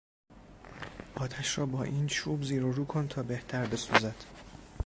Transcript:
آتش را با این چوب زیر و رو کن تا بهتر بسوزد.